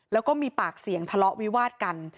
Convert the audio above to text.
แล้วก็มีปากเสียงทะเลาะวิวาดกัน